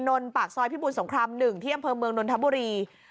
นนท์ปากซอยพี่บุญสงครามหนึ่งที่อำเภอเมืองนนท์ธับบุรี